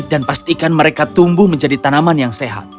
dan pastikan mereka tumbuh menjadi tanaman yang sehat